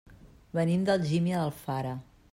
Venim d'Algímia d'Alfara.